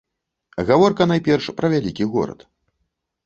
Гаворка найперш пра вялікі горад.